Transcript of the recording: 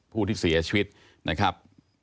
ผู้ที่เสียชีวิตนะครับ